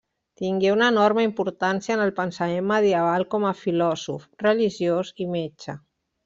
Tingué una enorme importància en el pensament medieval com a filòsof, religiós i metge.